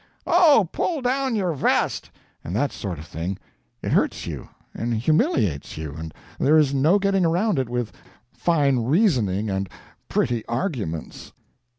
"Oh, pull down your vest!" and that sort of thing, it hurts you and humiliates you, and there is no getting around it with fine reasoning and pretty arguments.